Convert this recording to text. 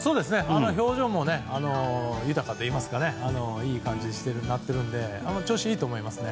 表情も、豊かといいますかいい感じになっているので調子いいと思います。